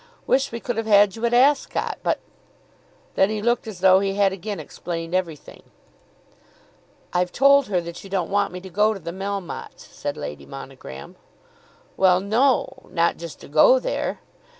Wish we could have had you at Ascot. But ." Then he looked as though he had again explained everything. "I've told her that you don't want me to go to the Melmottes," said Lady Monogram. "Well, no; not just to go there.